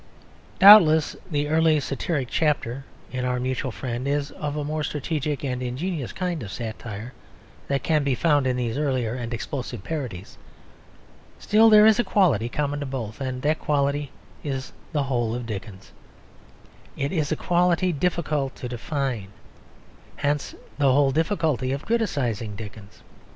Doubtless the early satiric chapter in Our Mutual Friend is of a more strategic and ingenious kind of satire than can be found in these early and explosive parodies. Still, there is a quality common to both, and that quality is the whole of Dickens. It is a quality difficult to define hence the whole difficulty of criticising Dickens.